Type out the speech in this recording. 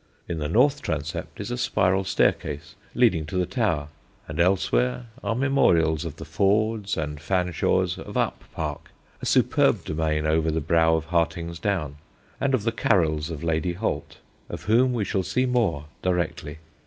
In the north transept is a spiral staircase leading to the tower, and elsewhere are memorials of the Fords and Featherstonhaughs of Up Park, a superb domain over the brow of Harting's Down, and of the Carylls of Lady Holt, of whom we shall see more directly.